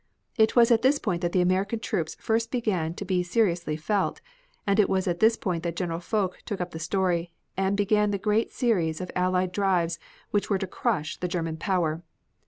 It was at this point that the American troops first began to be seriously felt, and it was at this point that General Foch took up the story, and began the great series of Allied drives which were to crush the German power.